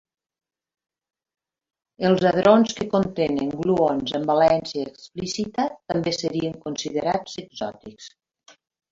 Els hadrons que contenen gluons amb valència explícita també serien considerats exòtics.